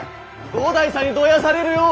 五代さんにどやされるよ！